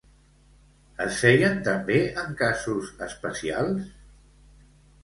Es feien també en casos especials?